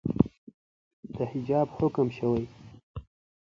د حجاب حکم شوئ